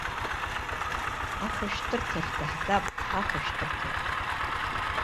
Ахәышәтәырҭахь даҳгап, ахәышәтәырҭахь.